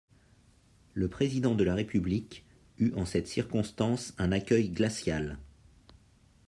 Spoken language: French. Le président de la République eut en cette circonstance un accueil glacial.